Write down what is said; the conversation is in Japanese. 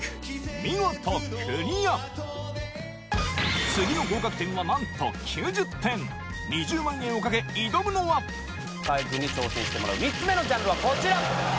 見事クリア次の合格点はなんと９０点２０万円を懸け挑むのは河合君に挑戦してもらう３つ目のジャンルはこちら！